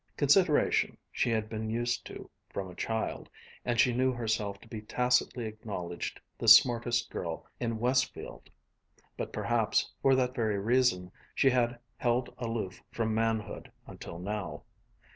Consideration she had been used to from a child, and she knew herself to be tacitly acknowledged the smartest girl in Westfield, but perhaps for that very reason she had held aloof from manhood until now.